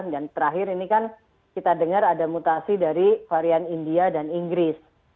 dan terakhir ini kan kita dengar ada mutasi dari varian india dan inggris